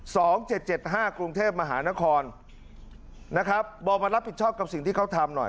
สองเจ็ดเจ็ดห้ากรุงเทพมหานครนะครับบอกมารับผิดชอบกับสิ่งที่เขาทำหน่อย